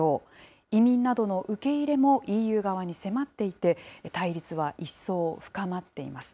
移民などの受け入れもＥＵ側に迫っていて、対立は一層深まっています。